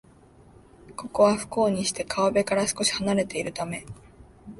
ここは、不幸にして川辺から少しはなれているため